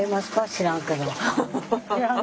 知らんけど。